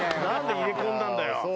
何で入れ込んだんだよ。